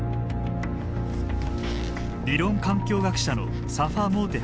理論環境学者のサファ・モーテ博士。